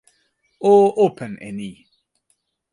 o open e ni!